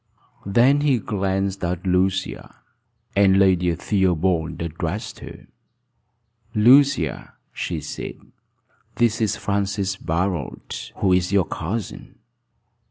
Then he glanced at Lucia, and Lady Theobald addressed her: "Lucia," she said, "this is Francis Barold, who is your cousin."